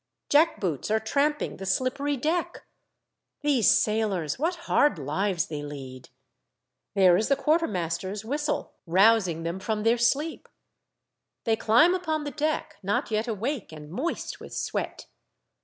Jack boots are tramping the slippery deck. These sailors, what hard lives they lead ! There is the quartermaster's whistle, rousing them from their sleep. They climb upon the deck, not yet awake, and moist with sweat.